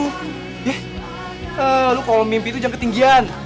eh lo kalau mimpi itu jangan ketinggian